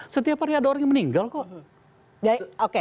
setiap hari ada orang yang meninggal kok